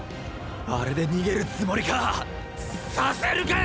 アレで逃げるつもりか⁉させるかよ！！